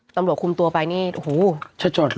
ตำรวจคุมตัวไปนี่โอ้โห